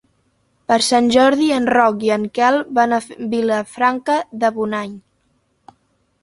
Per Sant Jordi en Roc i en Quel van a Vilafranca de Bonany.